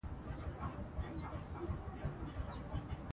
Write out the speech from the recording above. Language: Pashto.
ایا واکسین د ټولو سرطانونو لپاره اغېزناک دی؟